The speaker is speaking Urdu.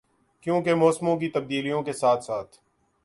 کیونکہ موسموں کی تبدیلی کے ساتھ ساتھ